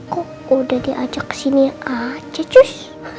kok udah diajak kesini aja cus